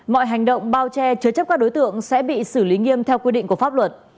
mọi hành động bao che chứa chấp các đối tượng sẽ bị xử lý nghiêm theo quy định của pháp luật